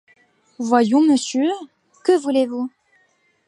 Voyons, monsieur, que voulez-vous ?